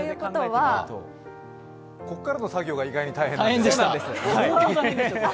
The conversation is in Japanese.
ここからの作業が意外に大変なんですよ。